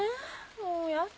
もうやだ。